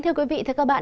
thưa quý vị thưa các bạn